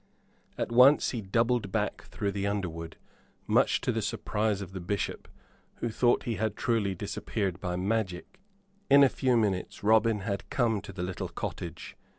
At once he doubled back through the underwood, much to the surprise of the Bishop, who thought he had truly disappeared by magic. In a few minutes Robin had come to the little cottage.